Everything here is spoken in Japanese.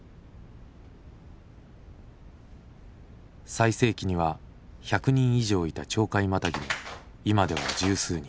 最盛期には１００人以上いた鳥海マタギも今では十数人。